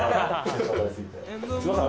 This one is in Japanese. すいません